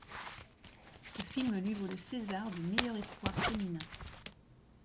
Ce film lui vaut le César du meilleur espoir féminin.